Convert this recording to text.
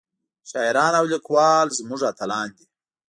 شاعران او ليکوال زمونږ اتلان دي